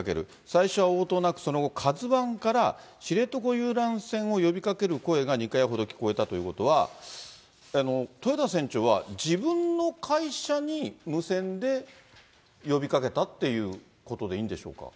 最初は応答なく、その後、カズワンから、知床遊覧船を呼びかける声が２回ほど聞こえたということは、豊田船長は、自分の会社に無線で呼びかけたということでいいんでしょうか。